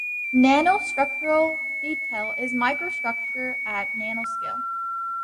Nanostructural detail is microstructure at nanoscale.